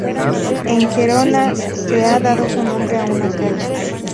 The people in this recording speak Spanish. En Gerona se ha dado su nombre a una calle.